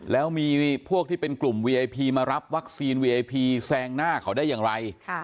แล้วมีพวกที่เป็นกลุ่มวีไอพีมารับวัคซีนวีไอพีแซงหน้าเขาได้อย่างไร